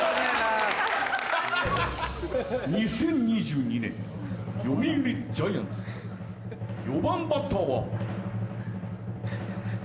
２０２２年読売ジャイアンツ４番バッターは。